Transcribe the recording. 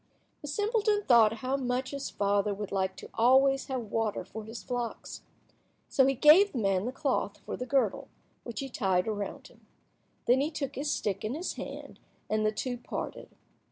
The simpleton thought how much his father would like to always have water for his flocks. So he gave the man the cloth for the girdle, which he tied around him. Then he took his stick in his hand, and the two parted.